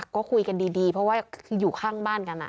ก็คุยกันดีเพราะว่าคืออยู่ข้างบ้านกัน